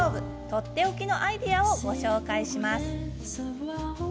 とっておきのアイデアをご紹介します。